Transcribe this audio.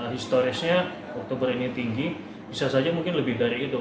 historisnya oktober ini tinggi bisa saja mungkin lebih dari itu